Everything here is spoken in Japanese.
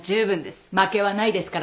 負けはないですからね。